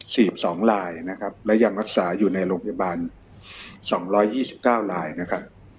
สีบ๒ลายนะครับและยังรักษาอยู่ในโรงพยาบาล๒๒๙ลายนะครับ